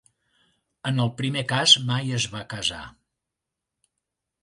En el primer cas, mai es va casar.